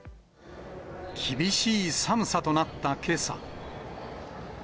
厳しい寒さとなったけさ。